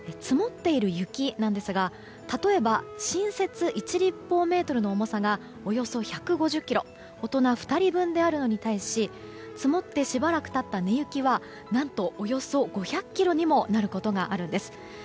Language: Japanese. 積もっている雪なんですが例えば新雪１立方メートルの重さがおよそ１５０ｋｇ大人２人分であるのに対し積もってしばらく経った根雪は何とおよそ５００ｋｇにもなることがあるんです。